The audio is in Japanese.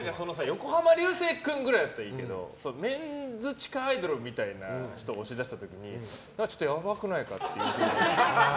横浜流星君ぐらいだったらいいけどメンズ地下アイドルみたいな人を推し出した時にやばくないかっていう。